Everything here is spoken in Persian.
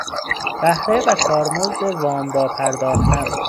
بهره و کارمزد وام را پرداختن